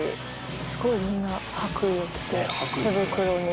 「すごいみんな白衣を着て手袋に」